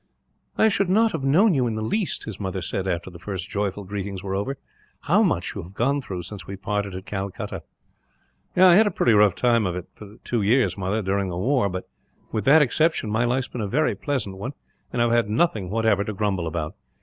"I should not have known you, in the least," his mother said, after the first joyful greetings were over. "How much you have gone through, since we parted at Calcutta." "I had a pretty rough time of it for two years, mother, during the war but, with that exception, my life has been a very pleasant one; and I have had nothing, whatever, to grumble about.